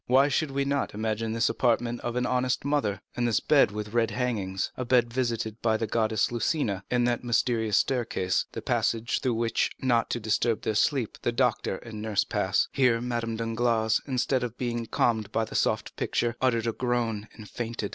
Why should we not imagine this the apartment of an honest mother? And this bed with red hangings, a bed visited by the goddess Lucina? And that mysterious staircase, the passage through which, not to disturb their sleep, the doctor and nurse pass, or even the father carrying the sleeping child?" Here Madame Danglars, instead of being calmed by the soft picture, uttered a groan and fainted.